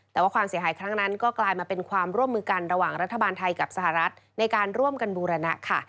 แต่ว่าความเสียหายครั้งนั้นก็กลายมาเป็นความร่วมมือกันระหว่างรัฐบาลไทยกับสหรัฐในการร่วมกันบูรณะค่ะ